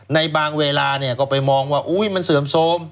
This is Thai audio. ในบางเวลาก็ไปมองว่าอุ๊ยมันเสื่อมโทรม